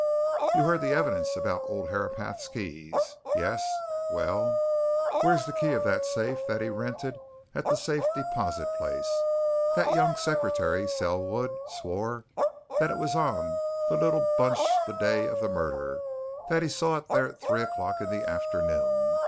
You heard the evidence about old Herapath's keys? Yes well, where's the key of that safe that he rented at the Safe Deposit place. That young secretary, Selwood, swore that it was on the little bunch the day of the murder, that he saw it at three o'clock in the afternoon.